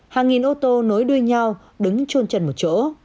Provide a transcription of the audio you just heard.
hàng nghìn ô tô nối đuôi nhau đứng trôn trần một chỗ